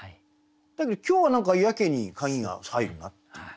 だけど今日は何かやけに鍵が入るなっていう。